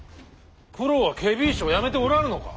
九郎は検非違使を辞めておらぬのか。